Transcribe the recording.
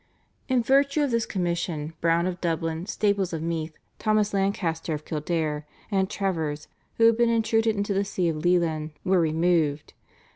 In virtue of this commission Browne of Dublin, Staples of Meath, Thomas Lancaster of Kildare, and Travers, who had been intruded into the See of Leighlin, were removed.